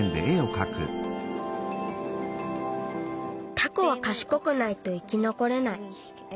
タコはかしこくないと生きのこれない。